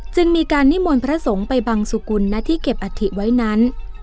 จึงมีการนิมนต์พระสงฆ์ไปบังสุกุลณที่เก็บอัฐิไว้นั้น